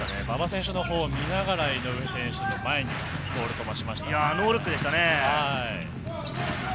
馬場選手のほうを見ながら井上選手の前にボールを飛ばしノールックでしたね。